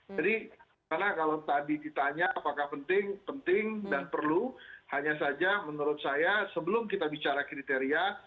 jadi karena kalau tadi ditanya apakah penting dan perlu hanya saja menurut saya sebelum kita bicara kriteria